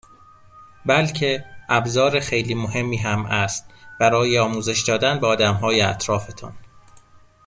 بلکه ابزار خیلی مهمی هم است برای آموزش دادن به آدمهای اطرافتان